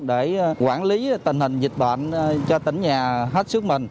để quản lý tình hình dịch bệnh cho tỉnh nhà hết sức mình